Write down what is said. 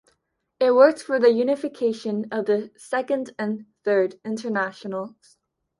It worked for the unification of the Second and Third Internationals.